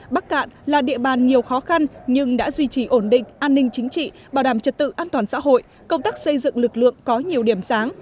bắc cạn là địa bàn nhiều khó khăn nhưng đã duy trì ổn định an ninh chính trị bảo đảm trật tự an toàn xã hội công tác xây dựng lực lượng có nhiều điểm sáng